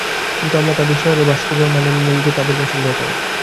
কিন্তু আমরা তাদের শহরে বাস করার মানে এই নয় যে তাদের পছন্দ করতে হবে।